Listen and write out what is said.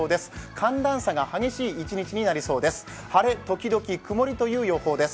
寒暖差が激しい一日になりそうです。